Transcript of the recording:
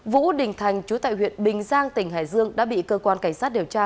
vũ đình thành chú tại huyện bình giang tỉnh hải dương đã bị cơ quan cảnh sát điều tra